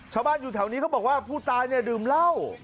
ชาวบ้านอยู่แถวนี้เขาบอกว่าผู้ตายเนี่ยดื่มเหล้า